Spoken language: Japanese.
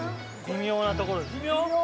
微妙なところです。